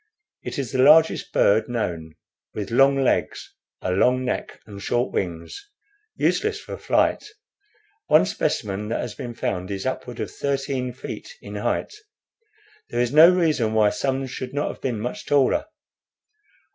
It is the largest bird known, with long legs, a long neck, and short wings, useless for flight. One specimen that has been found is upward of thirteen feet in height. There is no reason why some should not have been much taller.